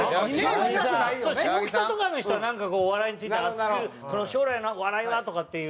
下北とかの人はなんかこうお笑いについて熱く将来のお笑いはとかっていう。